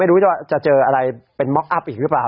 ไม่รู้จะเจออะไรเป็นม็อกอัพอีกหรือเปล่า